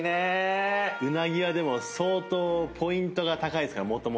うなぎはでも相当ポイントが高いですからもともとの。